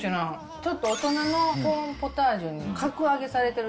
ちょっと大人のコーンポタージュに格上げされてる。